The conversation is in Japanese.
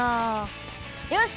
よし！